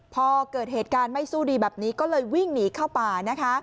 พอเกิดเหตุการณ์ไม่สู้ดีแบบนี้ก็เลยวิ่งหนีเข้าป่านะคะ